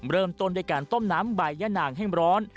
เริ่มต้นด้วยการต้มน้ำใบยะนางให้ร้อน